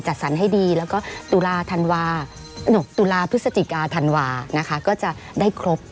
จัดสรรให้ดีแล้วก็ตุลาพฤศจิกาธันวาก็จะได้ครบ